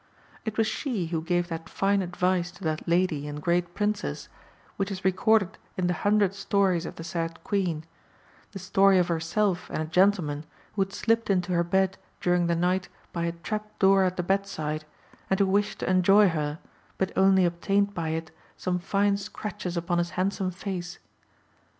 It was she who gave that fine advice to that lady and great princess, which is recorded in the hundred stories of the said Queen the story of herself and a gentleman who had slipped into her bed during the night by a trap door at the bedside, and who wished to enjoy her, but only obtained by it some fine scratches upon his handsome face.